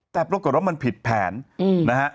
แต่บริกษาตรวจมันผิดแผนนะฮะ